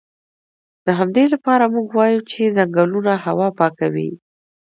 د همدې لپاره موږ وایو چې ځنګلونه هوا پاکوي